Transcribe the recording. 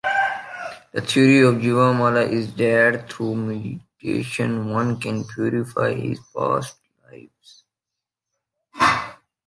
The theory of Jivamala is that through meditation one can purify his past lives.